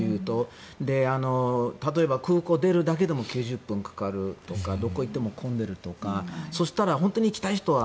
で、例えば空港出るだけでも９０分かかるとかどこ行っても混んでいるとかそしたら本当に行きたい人は